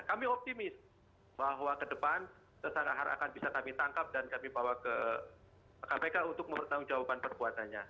kami optimis bahwa kedepan tersangka har akan bisa kami tangkap dan kami bawa ke kpk untuk mengetahui jawaban perbuatannya